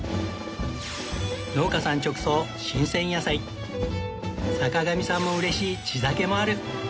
農家さん直送坂上さんも嬉しい地酒もある